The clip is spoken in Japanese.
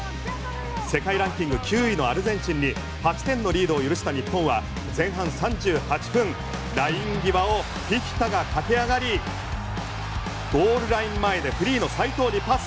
世界ランキング９位のアルゼンチンに８点のリードを許した日本は前半３８分ライン際をフィフィタが駆け上がりゴールライン前でフリーの齋藤にパス。